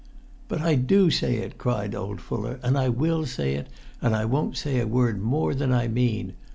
"But I do say it," cried old Fuller, "and I will say it, and I won't say a word more than I mean.